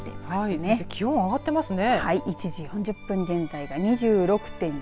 はいそして気温上がっていますね。